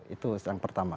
itu yang pertama